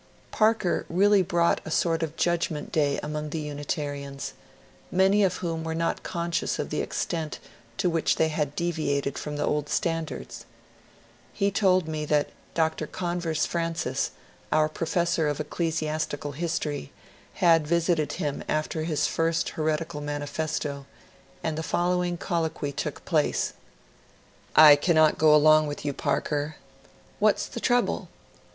Parker really brought a sort of judgment day among the Unitarians, many of whom were not conscious of the extent to which they had deviated from the old standards. He told me that Dr. Convers Francis, our professor of ecclesiastical history, had visited him after his first heretical madifesto, and the following colloquy took place :— F. " I cannot go along with you, Parker." P. "What's the trouble?"